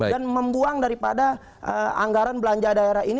dan membuang daripada anggaran belanja daerah ini